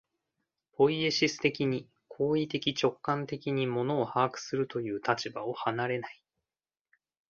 ポイエシス的に、行為的直観的に物を把握するという立場を離れない。